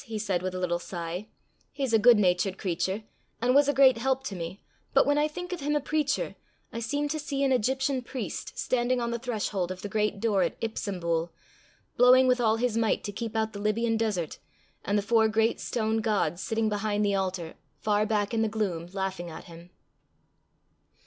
he said with a little sigh. "He's a good natured creature, and was a great help to me; but when I think of him a preacher, I seem to see an Egyptian priest standing on the threshold of the great door at Ipsambul, blowing with all his might to keep out the Libyan desert; and the four great stone gods, sitting behind the altar, far back in the gloom, laughing at him."